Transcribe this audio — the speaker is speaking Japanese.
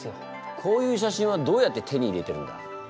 こういう写真はどうやって手に入れてるんだ？